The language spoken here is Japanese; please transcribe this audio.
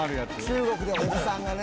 「中国でおじさんがね」